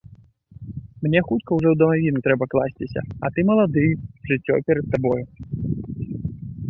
Мне хутка ўжо ў дамавіну трэба класціся, а ты малады, жыццё перад табою.